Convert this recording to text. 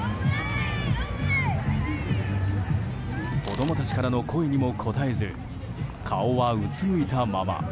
子供たちからの声にも応えず顔はうつむいたまま。